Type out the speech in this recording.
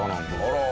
あら。